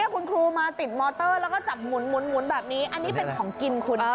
คุณครูมาติดมอเตอร์แล้วก็จับหมุนแบบนี้อันนี้เป็นของกินคุณ